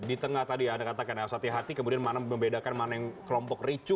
di tengah tadi anda katakan harus hati hati kemudian mana membedakan mana yang kelompok ricu